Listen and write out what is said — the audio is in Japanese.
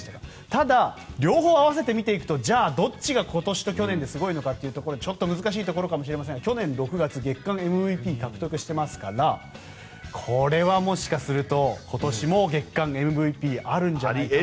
ただ、両方合わせて見てみますとじゃあどっちが今年と去年ですごいのかというとちょっと難しいところかもしれませんが去年６月、月間ＭＶＰを獲得していますから今年も月間ＭＶＰがあるんじゃないかと。